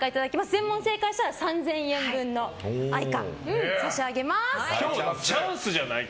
全問正解したら３０００円分のＡｉｃａを差し上げます！